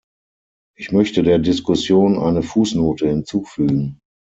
Ich möchte der Diskussion eine Fußnote hinzufügen.